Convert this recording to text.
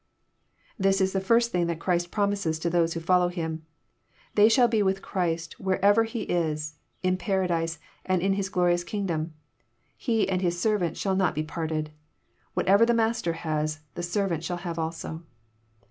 "] This is the first thing that Christ promises to those who follow Him. They shall be with Christ wherever He is, in paradise, and in His glorious kingdom. He and His servant shall not be parted. Whatever the Master has, the servant shall have also.